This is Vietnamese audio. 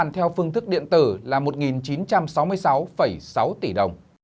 theo phương thức điện tử là một chín trăm sáu mươi sáu sáu tỷ đồng